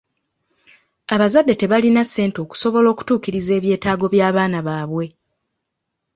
Abazadde tebalina ssente okusobola okutuukiriza ebyetaago by'abaana baabwe.